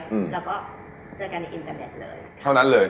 เจอกันในอินเทอร์เตอร์เตอร์แบบนั้นเลย